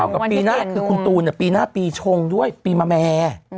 คือคุณตูนปีหน้าปีชงด้วยปีแมมแม